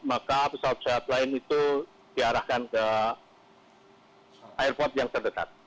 maka pesawat pesawat lain itu diarahkan ke airport yang terdekat